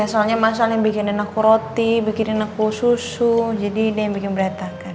iya soalnya mas alin yang bikin enakku roti bikin enakku susu jadi dia yang bikin berantakan